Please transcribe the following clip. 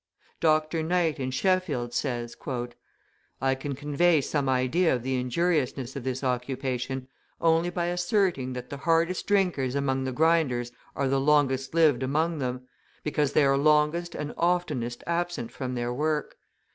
Dr. Knight, in Sheffield, says: "I can convey some idea of the injuriousness of this occupation only by asserting that the hardest drinkers among the grinders are the longest lived among them, because they are longest and oftenest absent from their work.